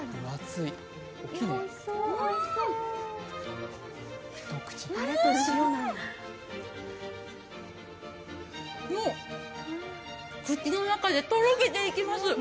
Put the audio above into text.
うーん、口の中でとろけていきます